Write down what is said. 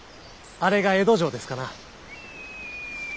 あれが江戸城ですかな。